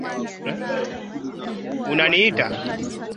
Vita vilikuwa vikali zaidi na Watawala wa madola ya pwani wakauza watumwa